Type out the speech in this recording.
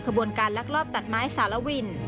ขบวนการลักลอบตัดไม้สารวิน